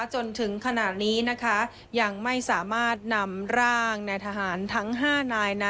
จนถึงขนาดนี้ยังไม่สามารถนำร่างในทหารทั้ง๕นาย